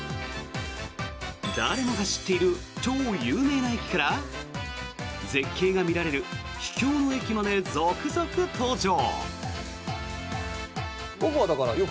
誰もが知っている超有名な駅から絶景が見られる秘境の駅まで続々登場。